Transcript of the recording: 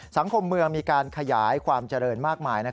สังคมเมืองมีการขยายความเจริญมากมาย